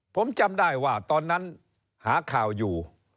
ผมจำได้ว่าตอนนั้นหาข่าวอยู่